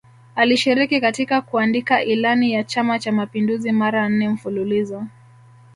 Alishiriki katika kuandika Ilani ya Chama cha Mapinduzi mara nne mfululizo